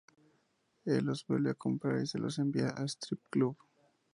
Él los vuelve a comprar y se los envía al Strip Club.